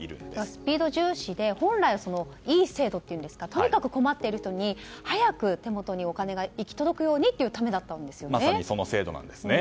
スピード重視で本来はいい制度というかとにかく困っている人に早く手元にお金が行き届くようにというためだったんですよね。